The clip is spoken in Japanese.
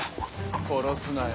殺すなよ。